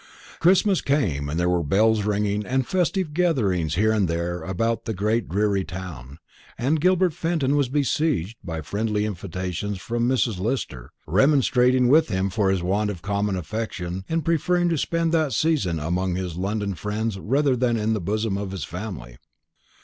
Christmas came; and there were bells ringing, and festive gatherings here and there about the great dreary town, and Gilbert Fenton was besieged by friendly invitations from Mrs. Lister, remonstrating with him for his want of common affection in preferring to spend that season among his London friends rather than in the bosom of his family.